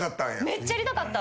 めっちゃやりたかった。